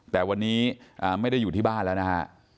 แต่วันนี้ไม่ได้อยู่ที่บ้านแล้วนะฮะ